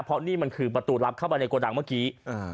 เพราะนี่มันคือประตูลับเข้าไปในโกดังเมื่อกี้